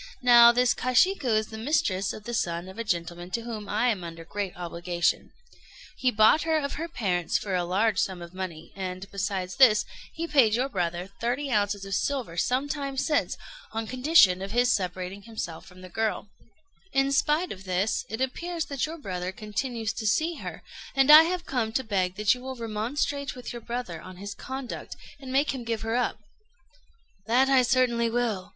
Now, this Kashiku is the mistress of the son of a gentleman to whom I am under great obligation: he bought her of her parents for a large sum of money, and, besides this, he paid your brother thirty ounces of silver some time since, on condition of his separating himself from the girl; in spite of this, it appears that your brother continues to see her, and I have come to beg that you will remonstrate with your brother on his conduct, and make him give her up." "That I certainly will.